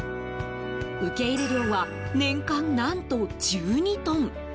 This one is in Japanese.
受け入れ量は年間何と、１２トン！